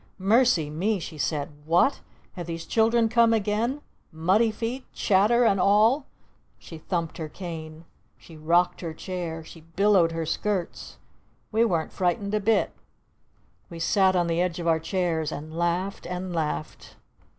"Mercy me!" she said. "What? Have these children come again? Muddy feet? Chatter? And all?" She thumped her cane! She rocked her chair! She billowed her skirts! We weren't frightened a bit! We sat on the edge of our chairs and laughed! And laughed!